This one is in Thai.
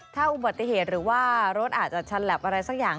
ถ้าอุบัติเหตุหรือว่ารถอาจจะชันแหลบอะไรสักอย่าง